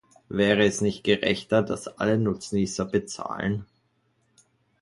Wäre es nicht gerechter, dass alle Nutznießer bezahlen?